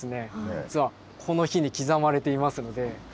実はこの碑に刻まれていますので。